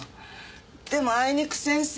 でもあいにく先生は。